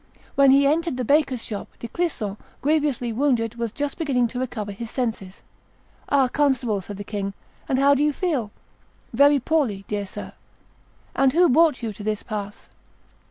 When he entered the baker's shop, De Clisson, grievously wounded, was just beginning to recover his senses. "Ah! constable," said the king, "and how do you feel?" "Very poorly, dear sir." "And who brought you to this pass?"